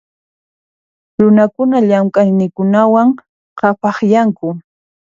Runakuna llamk'ayninkuwan qhapaqyanku.